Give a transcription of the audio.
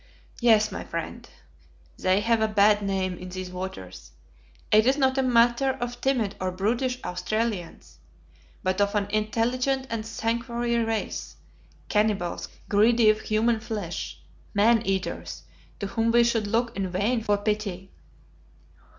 "Yes, my friend. They have a bad name in these waters. It is not a matter of timid or brutish Australians, but of an intelligent and sanguinary race, cannibals greedy of human flesh, man eaters to whom we should look in vain for pity."